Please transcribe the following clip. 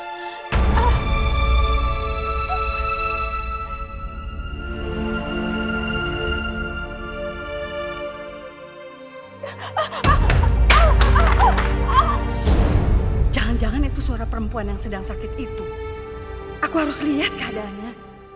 hai jangan jangan itu suara perempuan yang sedang sakit itu aku harus lihat keadaannya